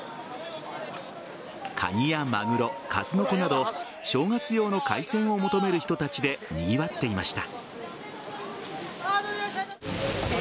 カニやマグロ、数の子など正月用の海鮮を求める人たちでにぎわっていました。